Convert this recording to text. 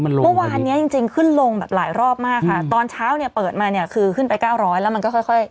เมื่อวานเนี้ยจริงจริงขึ้นลงแบบหลายรอบมากค่ะตอนเช้าเนี่ยเปิดมาเนี่ยคือขึ้นไปเก้าร้อยแล้วมันก็ค่อยค่อย